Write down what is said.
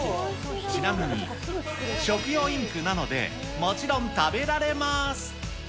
ちなみに食用インクなので、もちろん食べられます。